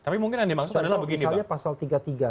tapi mungkin yang dimaksud adalah begini pak